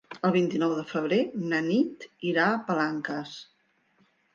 El vint-i-nou de febrer na Nit irà a Palanques.